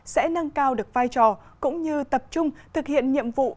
sẽ nâng cao được vai trò cũng như tập trung thực hiện nhiệm vụ